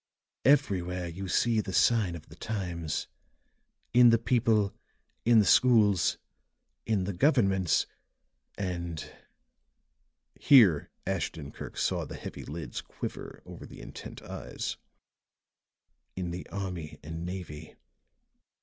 Everywhere you see the sign of the times in the people, in the schools, in the governments, and," here Ashton Kirk saw the heavy lids quiver over the intent eyes, "in the army and navy."